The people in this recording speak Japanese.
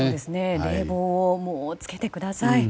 冷房もつけてください。